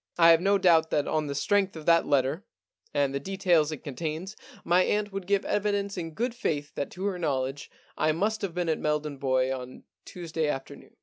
I have no doubt that on the strength of that letter and the details it contains, my aunt would give evidence 172 The Alibi Problem in good faith that to her knowledge I must have been at Meldon Bois on Tuesday after noon.